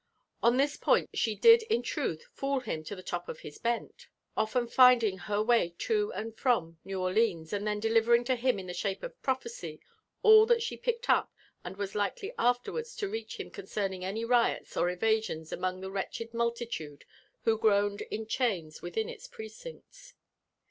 On this point she did in truth '* fool him to the top of his bent;" often finding her way to and from New Or leans, and then delivering to him in the shape of prophecy all that she picked up that was likely afterwards to reach him concerning any riots or evasions among the wretched multitude who groaned in chains within i(s precincts.